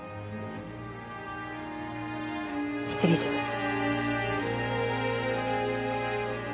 失礼します。